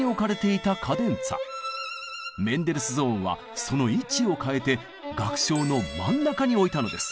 メンデルスゾーンはその位置を変えて楽章の真ん中に置いたのです。